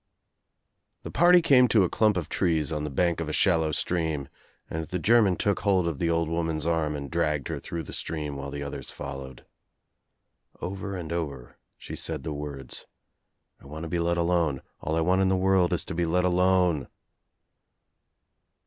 The party came to a clump of trees on the bank of a shallow stream and the German took hold of the old woman's arm and dragged her through the stream while the others followed. Over and over she said the words : "I want to be let alone. All I want in the world is to be let alone."